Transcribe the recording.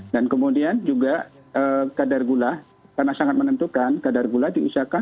dan kemudian juga kadar gula karena sangat menentukan kadar gula diusahakan